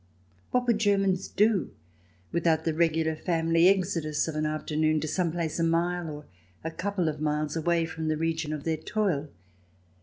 What would Germans do with out the regular family exodus of an afternoon to some place a mile, or a couple of miles, away from the region of their toil